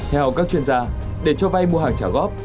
theo các chuyên gia để cho vay mua hàng trả góp